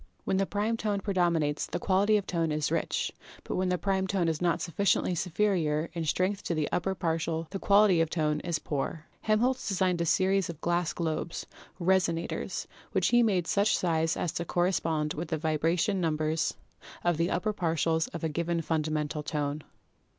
When the prime tone predominates the quality of tone is rich, but when the prime tone is not sufficiently superior in strength to the upper partials the quality of tone is poor." Helmholtz designed a series of glass globes, "resonators," which he had made of such size as to correspond with the vibration numbers of the upper partials of a given funda mental tone.